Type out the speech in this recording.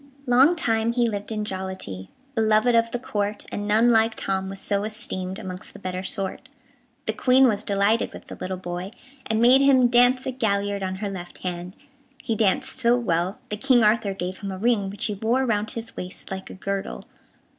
Long time he lived in jollity, Beloved of the Court, And none like Tom was so esteemed Amongst the better sort. The Queen was delighted with the little boy, and made him dance a gaillard on her left hand. He danced so well that King Arthur gave him a ring, which he wore round his waist like a girdle.